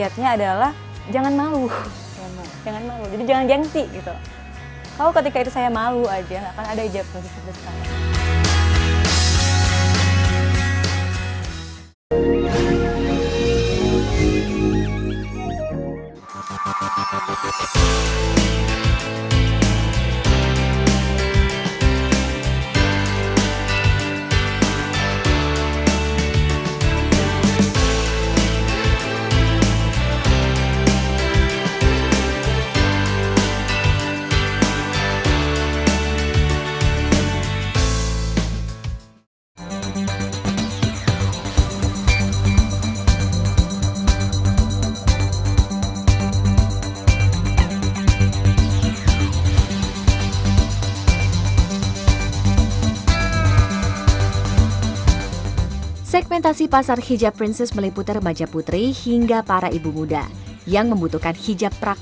tapi ianya menerima tamuinya lebih juga